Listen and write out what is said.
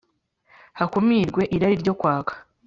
hakumirwe irari ryo kwaka